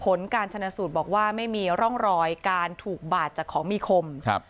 ผลการชนะสูตรบอกว่าไม่มีร่องรอยการถูกบาดจากของมีคมครับ